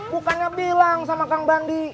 bukannya bilang sama kang bandi